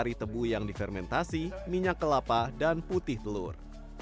dari tebu yang difermentasi minyak kelapa dan putih telur